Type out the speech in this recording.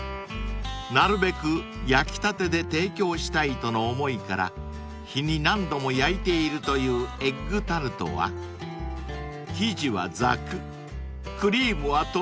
［なるべく焼きたてで提供したいとの思いから日に何度も焼いているというエッグタルトは生地はザクックリームはとろり］